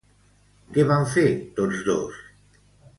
Què van fer tots dos?